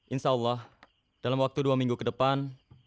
insya allah dalam waktu dua minggu ke depan